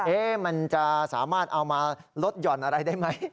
มันจะสามารถเอามาลดหย่อนอะไรได้ไหม